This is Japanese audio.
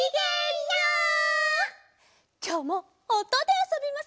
きょうもおとであそびますわよ。